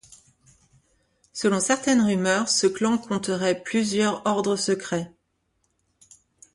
Selon certaines rumeurs, ce clan compterait plusieurs ordres secrets.